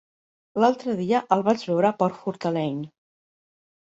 L'altre dia el vaig veure per Fortaleny.